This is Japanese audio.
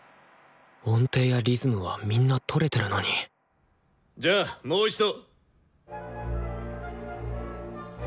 音程やリズムはみんなとれてるのにじゃあもう一度。